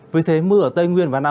vì thế mưa ở tây nguyên và nam